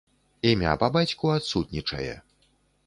Імя па бацьку адсутнічае.